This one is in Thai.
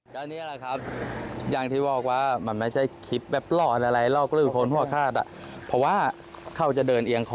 ตอนนี้แหละครับอย่างที่บอกว่ามันไม่ใช่คลิปแบบหล่ออะไรหลอกลืมคนหัวข้าด